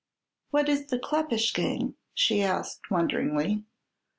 "What is the Kleppish gang?" she asked, wonderingly.